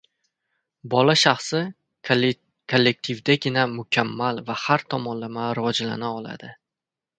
Bola shaxsi kollektivdagina mukammal va har tomonlama rivojlana oladi.